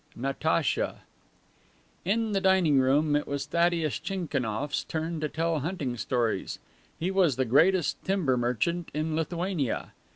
II. NATACHA In the dining room it was Thaddeus Tchnichnikoff's turn to tell hunting stories. He was the greatest timber merchant in Lithuania.